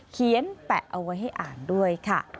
แปะเอาไว้ให้อ่านด้วยค่ะ